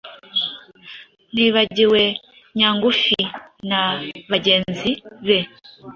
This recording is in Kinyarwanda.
mwibagiwe nyangufi na bagenzi be,